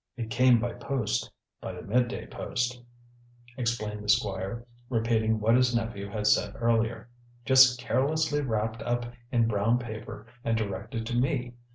"It came by post by the mid day post," explained the Squire, repeating what his nephew had said earlier. "Just carelessly wrapped up in brown paper and directed to me.